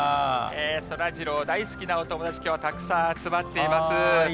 そらジロー大好きなお友達、きょうはたくさん集まっています。